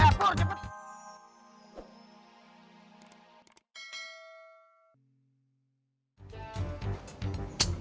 aduh mudah mudah mudah